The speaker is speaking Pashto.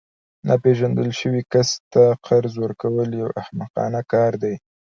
ناپیژندل شوي کس ته قرض ورکول یو احمقانه کار دی